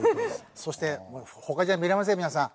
そして他じゃ見れません皆さん。